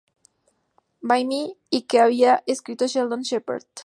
By Me", y que había escrito Sheldon Sheppard.